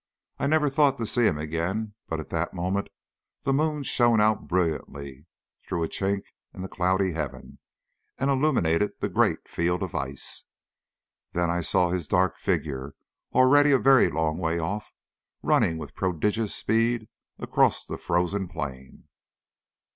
I never thought to see him again, but at that moment the moon shone out brilliantly through a chink in the cloudy heaven, and illuminated the great field of ice. Then I saw his dark figure already a very long way off, running with prodigious speed across the frozen plain.